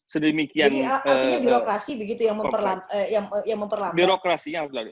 jadi artinya birokrasi begitu yang memperlakukan